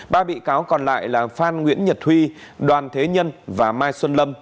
ba bị cáo còn lại là phan nguyễn nhật huy đoàn thế nhân và mai xuân lâm